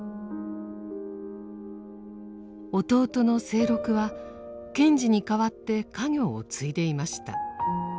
弟の清六は賢治に代わって家業を継いでいました。